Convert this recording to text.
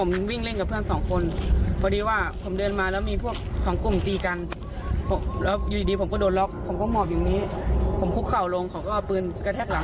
แล้วได้บอกไหมว่าเราไม่ได้เกี่ยวข้องอะไรอย่างนี้